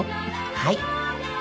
はい。